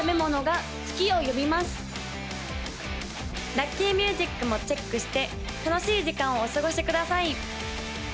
・ラッキーミュージックもチェックして楽しい時間をお過ごしください